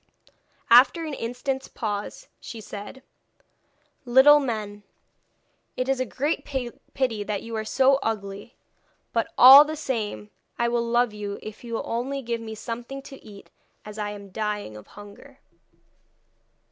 After an instant's pause she said: 'Little men, it is a great pity that you are so ugly. But, all the same, I will love you if you will only give me something to eat, as I am dying of hunger.'